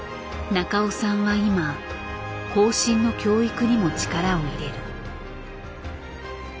中尾さんは今後進の教育にも力を入れる。